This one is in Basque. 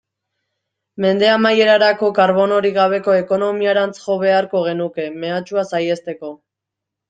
Mende amaierarako karbonorik gabeko ekonomiarantz jo beharko genuke, mehatxua saihesteko.